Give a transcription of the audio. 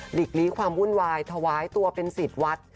หลีกลี้ความวุ่นวายถวายตัวเป็นสิทธิ์วัด